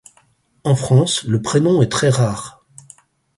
En France, le prénom est très rare.